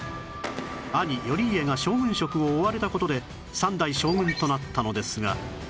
兄頼家が将軍職を追われた事で三代将軍となったのですが